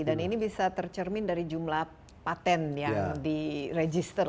dan ini bisa tercermin dari jumlah patent yang di register